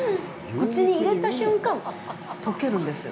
口に入れた瞬間、溶けるんですよ。